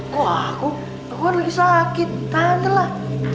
kok aku aku lagi sakit tante lah